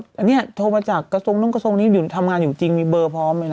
แต่เนี่ยโทรมาจากกระทรงนู้นกระทรวงนี้ทำงานอยู่จริงมีเบอร์พร้อมไหมนะ